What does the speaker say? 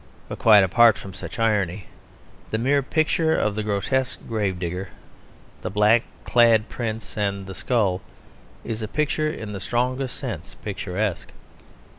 But quite apart from such irony, the mere picture of the grotesque gravedigger, the black clad prince, and the skull is a picture in the strongest sense picturesque.